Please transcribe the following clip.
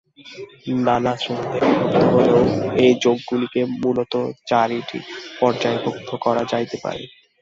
নানা শ্রেণীতে বিভক্ত হইলেও এই যোগগুলিকে মূলত চারিটি পর্যায়ভুক্ত করা যাইতে পারে।